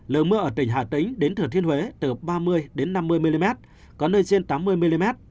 lượng mưa ở tỉnh hà tĩnh đến thừa thiên huế từ ba mươi năm mươi mm có nơi trên tám mươi mm